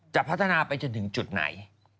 จะพัฒนาไปจนถึงจุดไหน